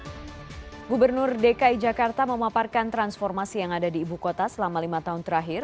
hai gubernur dki jakarta memaparkan transformasi yang ada di ibukota selama lima tahun terakhir